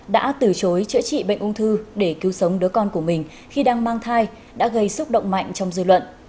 đã từ chối chữa trị bệnh ung thư để cứu sống đứa con của mình khi đang mang thai đã gây xúc động mạnh trong dư luận